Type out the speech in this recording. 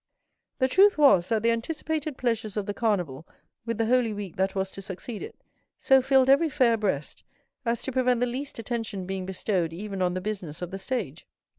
The truth was, that the anticipated pleasures of the Carnival, with the "Holy Week" that was to succeed it, so filled every fair breast, as to prevent the least attention being bestowed even on the business of the stage.